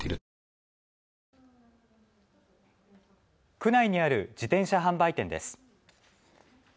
区内にある自転車販売店です。